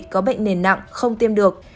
có bệnh nền nặng không tiêm được